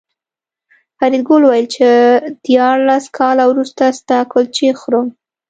فریدګل وویل چې دیارلس کاله وروسته ستا کلچې خورم